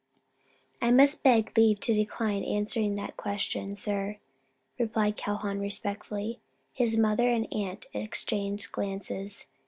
"I must beg leave to decline answering that question, sir," replied Calhoun respectfully. His mother and aunt exchanged glances.